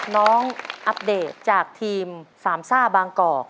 อัปเดตจากทีมสามซ่าบางกอก